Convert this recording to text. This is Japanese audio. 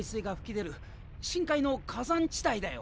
深海の火山地帯だよ。